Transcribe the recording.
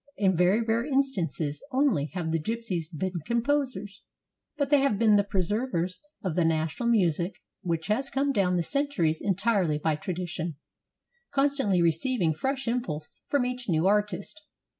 In very rare instances only have the gypsies been composers, but they have been the preservers of the national music which has come down the centuries en tirely by tradition, constantly receiving fresh impulse from each new artist.